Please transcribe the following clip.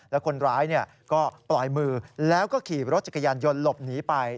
แล้วคนร้ายก็ปล่อยมือแล้วก็ขี่รถจักรยานยนต์หลบหนีไป